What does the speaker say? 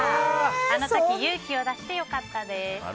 あの時勇気を出してよかったです。